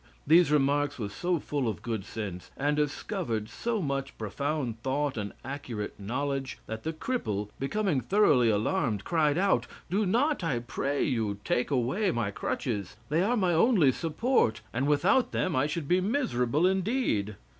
These remarks were so full of good sense, and discovered so much profound thought and accurate knowledge, that the cripple, becoming thoroughly alarmed, cried out, "Do not, I pray you, take away my crutches. They are my only support, and without them, I should be miserable, indeed."